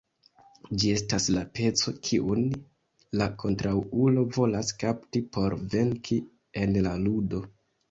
Ĝi estas la peco, kiun la kontraŭulo volas kapti por venki en la ludo.